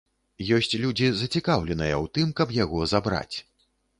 Ёсць людзі, зацікаўленыя ў тым, каб яго забраць.